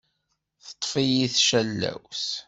Teṭṭef-iyi tcallawt.